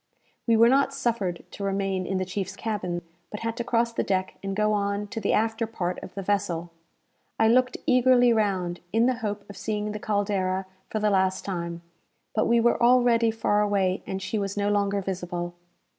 We were not suffered to remain in the chief's cabin, but had to cross the deck and go on to the after part of the vessel. I looked eagerly round, in the hope of seeing the "Caldera" for the last time; but we were already far away, and she was no longer visible.